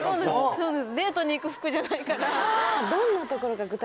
そうです。